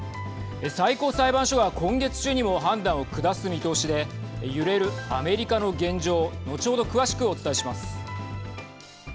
最高裁判所は今月中にも判断を下す見通しで揺れるアメリカの現状後ほど詳しくお伝えします。